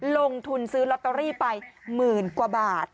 ลงทุนซื้อลอตเตอรี่ไปหมื่นกว่าบาท